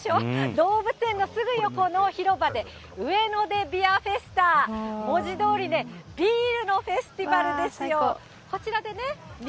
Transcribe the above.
動物園のすぐ横の広場で、ウエノデビアフェスタ文字どおりね、ビールのフェスティバルですよ。